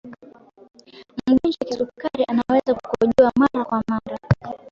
mgonjwa wa kisukari anaweza kukojoa mara kwa mara